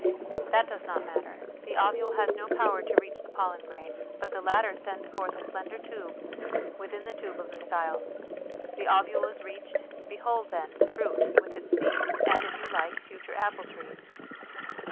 That does not matter; the ovule has no power to reach the pollen grain, but the latter sends forth a slender tube, within the tube of the style ; the ovule is reached ; behold, then, the fruit, with its seed, and, if you like, future apple trees